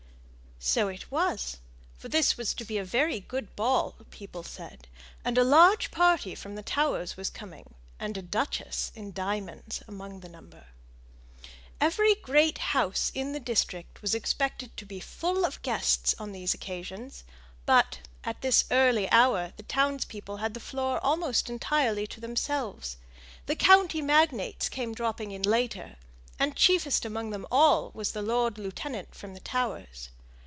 So it was, for this was to be a very good ball, people said; and a large party from the Towers was coming, and a duchess in diamonds among the number. Every great house in the district was expected to be full of guests on these occasions; but at this early hour, the townspeople had the floor almost entirely to themselves; the county magnates came dropping in later; and chiefest among them all was the lord lieutenant from the Towers.